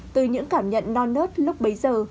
từ những cảm nhận non nớt lúc bấy giờ